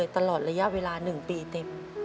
ตลอดระยะเวลา๑ปีเต็ม